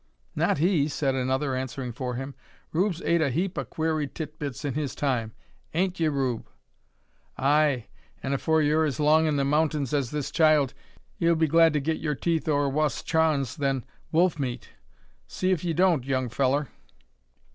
not he," said another, answering for him. "Rube's ate a heap o' queery tit bits in his time. Hain't ye, Rube?" "Ay, an' afore yur be as long in the mountains as this child, 'ee'll be glad to get yur teeth over wuss chawin's than wolf meat; see if 'ee don't, young fellur."